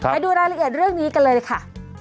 ไปดูรายละเอียดเรื่องนี้กันเลยค่ะ